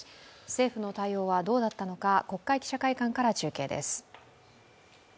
政府の対応はどうだったのか国会記者会館から中継です。